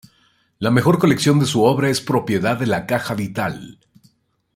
La mejor colección de su obra es propiedad de la Caja Vital.